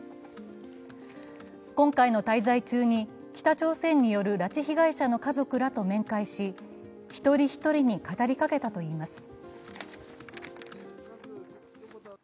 今回の滞在中に北朝鮮による拉致被害者の家族らと面会し、一人一人に語りかけたといいます。